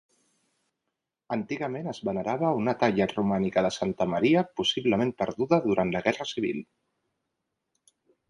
Antigament es venerava una talla romànica de Santa Maria possiblement perduda durant la guerra civil.